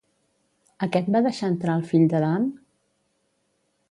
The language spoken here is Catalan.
Aquest va deixar entrar el fill d'Adam?